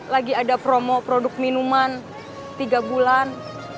lagi ada promo produk minuman tiga bulan